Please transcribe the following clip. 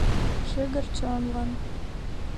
Шыгыр чонлан.